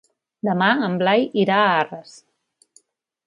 Demà en Blai irà a Arres.